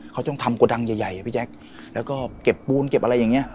เขาต้องทำกระดังใหญ่ใหญ่อะพี่แจ๊คแล้วก็เก็บปูนเก็บอะไรอย่างเงี้